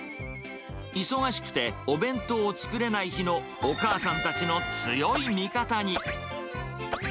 忙しくてお弁当を作れない日のお母さんたちの強い味方に。